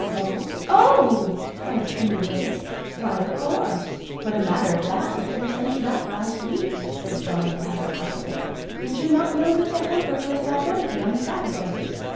"Oh? Oh!" cried Timmy Willie. "Why of course for the matter of that we could have sent you back last week," said Johnny rather huffily "did you not know that the hamper goes back empty on Saturdays?"